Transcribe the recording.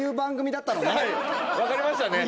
分かりましたね。